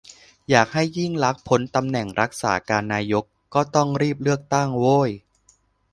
อยากให้ยิ่งลักษณ์พ้นตำแหน่งรักษาการนายก ก็ต้องรีบเลือกตั้ง โว้ย